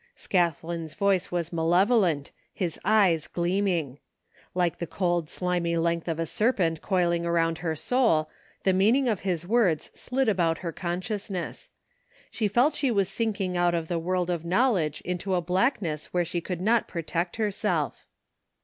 '* Scathlin's voice was malevolent, his eyes gleaming. Like the cold slimy length of a serpent coil ing around her soul, the meaning of his words slid 180 THE FINDING OF JASPEE HOLT about her consciousness. She felt she was sinking •ut of the world of knowledge into a blackness where she could not protect herself.